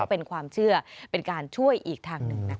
เป็นความเชื่อเป็นการช่วยอีกทางหนึ่งนะคะ